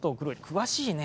詳しいね。